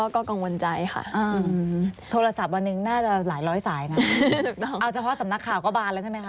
ค่ะอืมโทรศัพท์วันนึงน่าจะหลายร้อยสายน่ะถูกต้องเอาเฉพาะสำนักข่าวก็บานแล้วใช่ไหมค่ะ